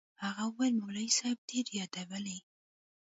هغه وويل مولوي صاحب ډېر يادولې.